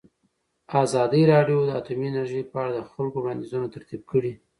ازادي راډیو د اټومي انرژي په اړه د خلکو وړاندیزونه ترتیب کړي.